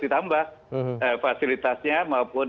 ditambah fasilitasnya maupun